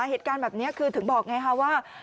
เหตุการณ์แบบนี้คือถึงบอกไงคะว่า